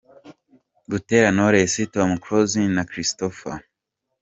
Butera Knowless, Tom Close na Christopher.